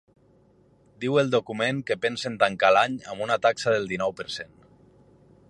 Diu el document que pensen tancar l’any amb una taxa del dinou per cent.